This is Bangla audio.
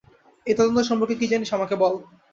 এই তদন্ত সম্পর্কে কী জানিস আমাকে বল।